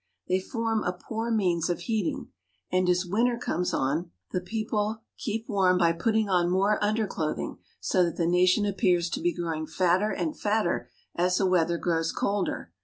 They form a poor means of heating; and, as winter comes on, the people HOME LIFE 49 keep warm by putting on more underclothing, so that the nation appears to be growing fatter and fatter as the weather grows colder.